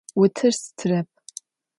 Vutır stırep.